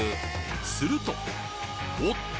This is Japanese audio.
するとおっと！